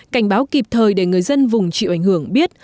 cảnh báo kịp thời để người dân vùng chịu ảnh hưởng biết